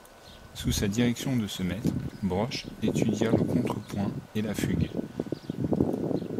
Sous sa direction de ce maitre, Broche étudia le contrepoint et la fugue.